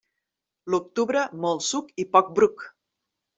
L'octubre, molt suc i poc bruc.